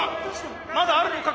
まだあるのか？